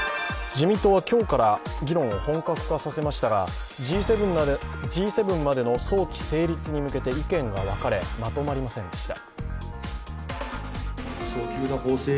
自民党は今日から議論を本格化させましたが、Ｇ７までの早期成立に向けて意見が分かれ、まとまりませんでした。